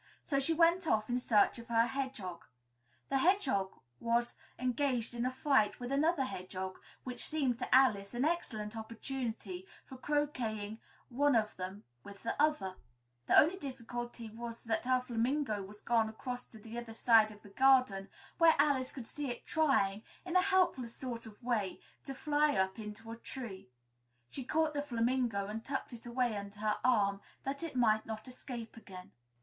So she went off in search of her hedgehog. The hedgehog was engaged in a fight with another hedgehog, which seemed to Alice an excellent opportunity for croqueting one of them with the other; the only difficulty was that her flamingo was gone across to the other side of the garden, where Alice could see it trying, in a helpless sort of way, to fly up into a tree. She caught the flamingo and tucked it away under her arm, that it might not escape again.